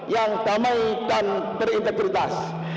yang damai dan berintegritas